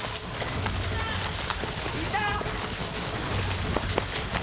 いた！